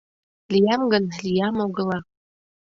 Лиям гын, лиям огыла...